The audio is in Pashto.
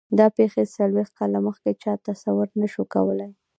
دا پېښې څلوېښت کاله مخکې چا تصور نه شو کولای.